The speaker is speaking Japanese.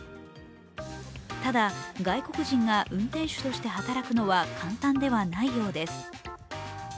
ただ、外国人が運転手として働くのは簡単ではないようです。